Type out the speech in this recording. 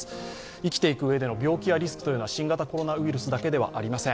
生きていくうえでの病気やリスクは新型コロナウイルスだけではありません。